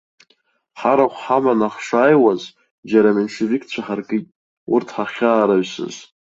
Ҳарахә ҳаманы ҳшааиуаз џьара аменьшевикцәа ҳаркит, урҭ ҳахьаараҩсыз.